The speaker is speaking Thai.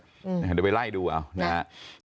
เดี๋ยวไปไล่ดูเอานะครับ